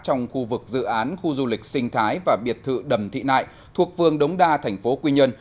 trong khu vực dự án khu du lịch sinh thái và biệt thự đầm thị nại thuộc vương đống đa thành phố quy nhơn